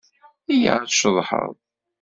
Iyya ad tceḍḥeḍ!